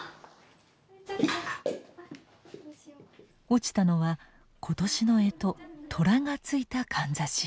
落ちたのは今年の干支寅がついたかんざし。